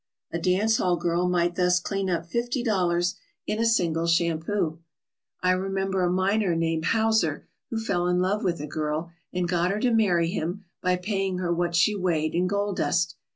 A dance hall girl might thus clean up fifty dollars in a single shampoo. I remember a miner named Hauser, who fell in love with a girl and got her to marry him by paying her what she weighed in gold dust.